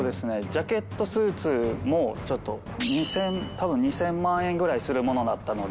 ジャケットスーツもちょっと２０００多分２０００万円ぐらいするものだったので。